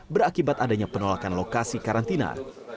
berakibat adanya penolakan lokasi karantina